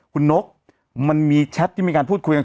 คุณนกมันมีแชทที่มีการพูดคุยกัน